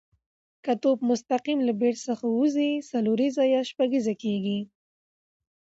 که توپ مستقیم له بېټ څخه وځي، څلوریزه یا شپږیزه کیږي.